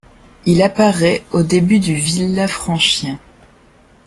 Il apparaît au début du Villafranchien.